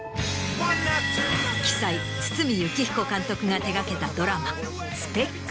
奇才堤幸彦監督が手掛けたドラマ『ＳＰＥＣ』。